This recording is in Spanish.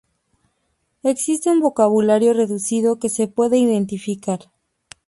Existe un vocabulario reducido que se puede identificar.